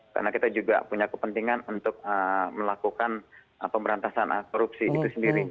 karena kita juga punya kepentingan untuk melakukan pemberantasan korupsi itu sendiri